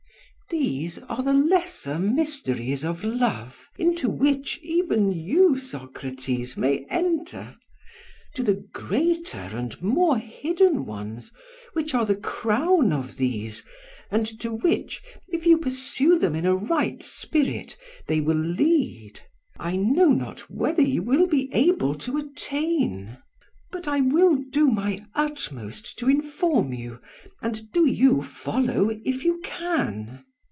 "'These are the lesser mysteries of love, into which even you, Socrates, may enter; to the greater and more hidden ones which are the crown of these, and to which, if you pursue them in a right spirit, they will lead, I know not whether you will be able to attain. But I will do my utmost to inform you, and do you follow if you can.